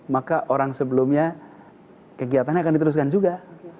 maka orang sebelumnya kegiatannya akan diteruskan juga